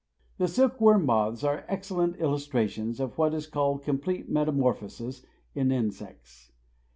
The silk worm moths are excellent illustrations of what is called complete metamorphosis in insects.